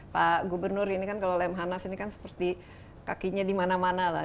pak gubernur ini kan kalau lemhanas ini kan seperti kakinya di mana mana lah